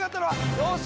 よし！